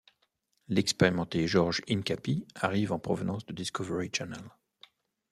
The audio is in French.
L'expérimenté George Hincapie arrive en provenance de Discovery Channel.